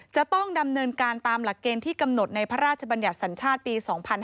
จะต้องดำเนินการตามหลักเกณฑ์ที่กำหนดในพระราชบัญญัติสัญชาติปี๒๕๕๙